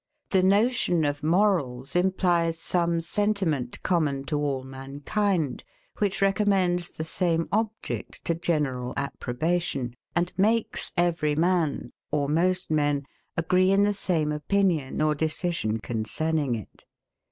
The notion of morals implies some sentiment common to all mankind, which recommends the same object to general approbation, and makes every man, or most men, agree in the same opinion or decision concerning it.